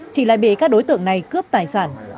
chỉ lại bị các đối tượng này cướp tài sản